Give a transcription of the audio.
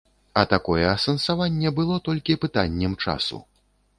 А такое асэнсаванне было толькі пытаннем часу.